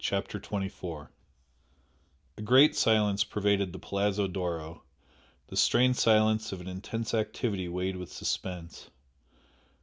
CHAPTER XXIV A great silence pervaded the Palazzo d'Oro, the strained silence of an intense activity weighted with suspense.